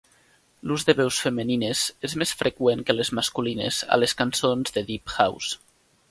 L'ús de veus femenines és més freqüent que les masculines a les cançons de deep house.